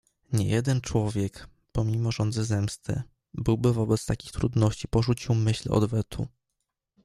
"Niejeden człowiek, pomimo żądzy zemsty, byłby wobec takich trudności porzucił myśl odwetu."